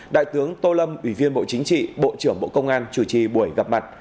đại tướng tô lâm ủy viên bộ chính trị bộ trưởng bộ công an chủ trì buổi gặp mặt